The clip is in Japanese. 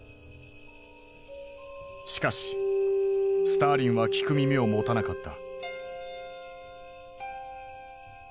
しかしスターリンは聞く耳を持たなかった。